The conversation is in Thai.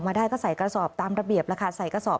ออกมาได้ก็ใส่กระสอบตามระเบียบราคาใส่กระสอบ